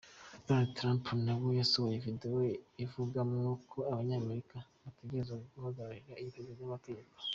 Donald Trump nawe yasohoye video avugamwo ko Abanyamerika bategerezwa guhagararira iyubahirizwa ry'amategeko.